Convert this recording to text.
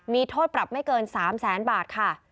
มีโทษปรับไม่เกิน๓แสนบาทค่ะ